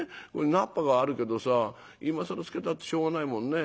菜っぱがあるけどさ今更漬けたってしょうがないもんね」。